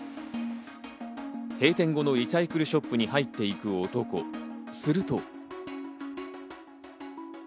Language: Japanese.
閉店後のリサイクルショップに入っていく男、すると。